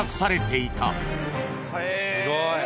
すごい。